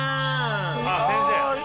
あっ先生。